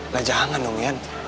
nah jangan dong yan